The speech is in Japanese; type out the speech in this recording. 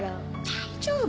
大丈夫。